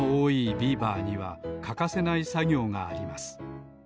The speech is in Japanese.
ビーバーにはかかせないさぎょうがあります。